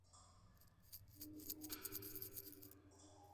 A los pocos años fueron transferidos a los Parques estatales de Oregon.